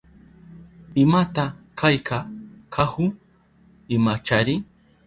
¿Imata kayka kahu? Imachari.